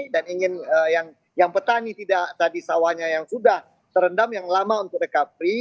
dan ingin yang petani tidak tadi sawahnya yang sudah terendam yang lama untuk recovery